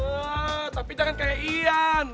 wah tapi jangan kayak ian